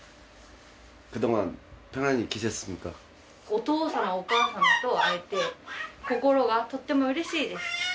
お父様、お母様と会えて、心がとってもうれしいです。